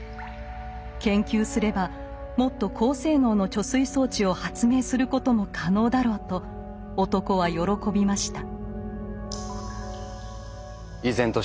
研究すればもっと高性能の貯水装置を発明することも可能だろうと男は喜びました。